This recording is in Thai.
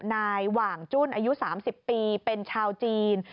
หว่างจุ้นอายุ๓๐ปีเป็นชาวจีน